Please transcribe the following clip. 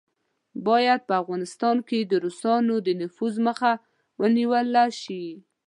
باید په افغانستان کې د روسانو د نفوذ مخه ونیوله شي.